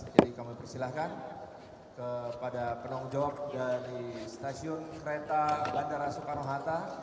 jadi kami persilahkan kepada penunggung jawab dari stasiun kereta bandara soekarno hatta